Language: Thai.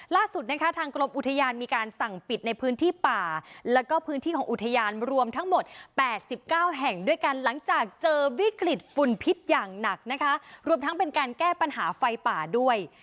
ล่าสุดนะคะทางกรมอุทยานมีการสั่งปิดในพื้นที่ป่าแล้วก็พื้นที่ของอุทยานรวมทั้งหมด๘๙แห่งด้วยกันหลังจากเจอวิกฤตฝุ่นพิษอย่างหนักนะคะรวมทั้งเป็นการแก้ปัญหาไฟป่าด้วย